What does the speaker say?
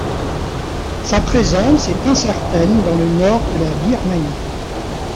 Sa présence est incertaine dans le nord de la Birmanie.